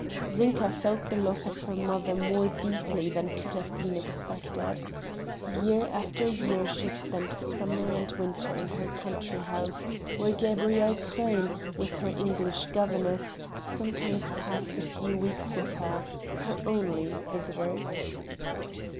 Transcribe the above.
Zinka felt the loss of her mother more deeply than could have been expected. Year after year she spent summer and winter in her country house, where Gabrielle Truyn, with her English governess, sometimes passed a few weeks with her her only visitors.